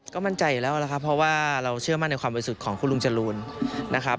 ก็มั่นใจอยู่แล้วนะครับเพราะว่าเราเชื่อมั่นในความบริสุทธิ์ของคุณลุงจรูนนะครับ